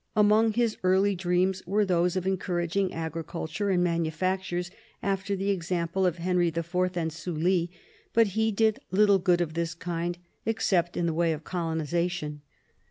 Among his early dreams were those of encouraging agriculture and manufactures after the example of Henry IV. and Sully ; but he did little good of this kind, except in the way of colonisation.